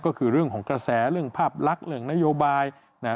ก็คือเรื่องของกระแสเรื่องภาพลักษณ์เรื่องนโยบายนะฮะ